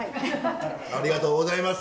ありがとうございます。